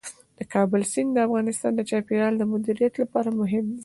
د کابل سیند د افغانستان د چاپیریال د مدیریت لپاره مهم دی.